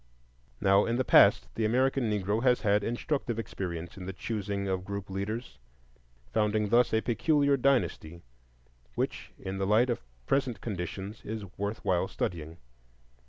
Now in the past the American Negro has had instructive experience in the choosing of group leaders, founding thus a peculiar dynasty which in the light of present conditions is worth while studying.